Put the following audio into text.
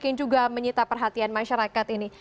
yang juga menyita perhatian masyarakat ini